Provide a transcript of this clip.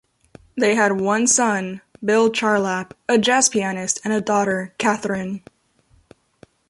They had one son, Bill Charlap, a jazz pianist, and a daughter, Katherine.